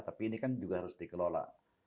tapi ini kan juga harus dikelola